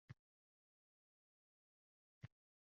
Bu holni kimlardir qilgancha bozor